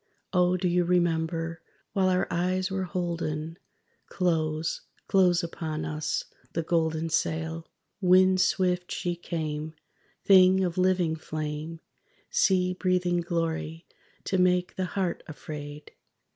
O do you remember? while our eyes were holden, Close, close upon us, the Golden Sail? Wind swift she came, thing of living flame, Sea breathing Glory, to make the heart afraid!